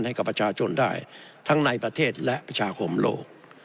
ให้กับประชาชนได้ทั้งในประเทศและประชาคมโลก